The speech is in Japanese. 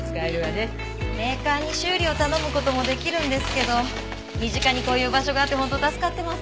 メーカーに修理を頼む事もできるんですけど身近にこういう場所があって本当助かってます。